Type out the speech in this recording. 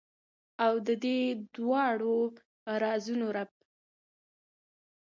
او ددې دواړو رازونو رب ،